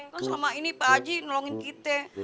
kan selama ini pak haji nolongin kita